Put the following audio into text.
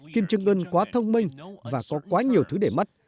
kim jong un quá thông minh và có quá nhiều thứ để mất